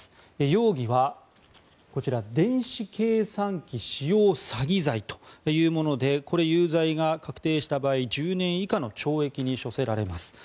容疑は電子計算機使用詐欺罪というものでこれ有罪が確定した場合１０年以下の懲役に科せられます。